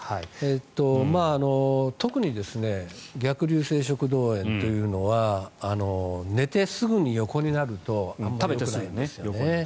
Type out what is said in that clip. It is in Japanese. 特に逆流性食道炎というのは食べてすぐに横になるとよくないです。